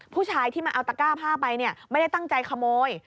ผู้ชายที่มาเอาตะก้าผ้าไปไม่ได้ตั้งใจขโมย